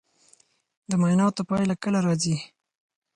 د معایناتو پایله کله راځي؟